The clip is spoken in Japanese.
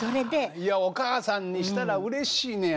いやお母さんにしたらうれしいんねやそれは。